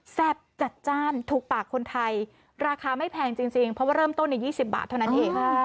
จัดจ้านถูกปากคนไทยราคาไม่แพงจริงเพราะว่าเริ่มต้นใน๒๐บาทเท่านั้นเอง